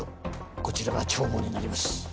こちらが帳簿になります